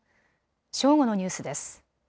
正午のニュースです。